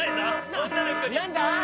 ななんだ？